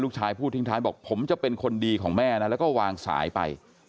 พูดทิ้งท้ายบอกผมจะเป็นคนดีของแม่นะแล้วก็วางสายไป